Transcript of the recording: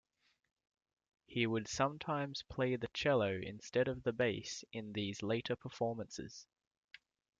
He would sometimes play the cello instead of the bass in these later performances.